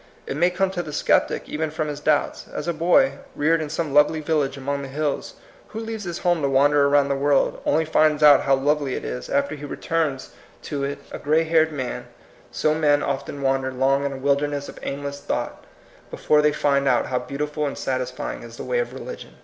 It may come to the sceptic even from his doubts. As a boy, reared in some lovely village among the hills, who leaves his home to wander around the world, only finds out how lovely it is after he returns THE HAPPY LIFE. 195 to it a gray haired man, so men often wan der long in a wilderness of aimless thought, before they find out how beautiful and sat isfying is the way of religion.